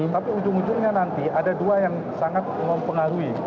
tapi ujung ujungnya nanti ada dua yang sangat mempengaruhi